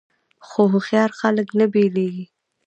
خو هوښیار خلک نه بیلیږي.